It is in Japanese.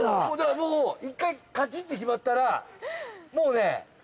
もう１回カチッて決まったらもうね